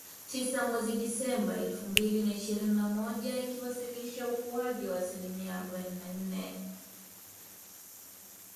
tisa mwezi Disemba elfu mbili na ishirini na moja ikiwasilisha ukuaji wa asilimia arubaini na nne